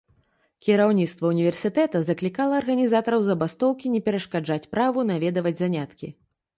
Кіраўніцтва ўніверсітэта заклікала арганізатараў забастоўкі не перашкаджаць праву наведваць заняткі.